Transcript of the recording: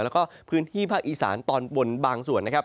และพื้นที่ภาคอีสานตอนบนบางส่วน